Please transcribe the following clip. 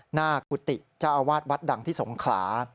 กุฏิเจ้าอาวาสวัดดังที่สงขลา